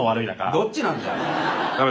どっちなんだよお前。